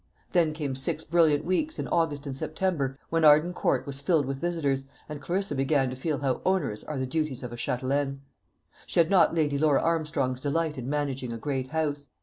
Then came six brilliant weeks in August and September, when Arden Court was filled with visitors, and Clarissa began to feel how onerous are the duties of a châtelaine. She had not Lady Laura Armstrong's delight in managing a great house.